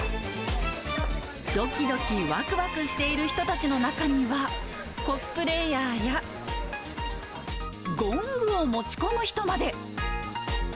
どきどきわくわくしている人たちの中には、コスプレーヤーや、ゴングを持ち込む人まで。